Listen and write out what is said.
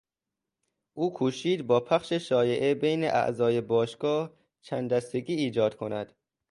او کوشید با پخش شایعه بین اعضای باشگاه چند دستگی ایجاد کند.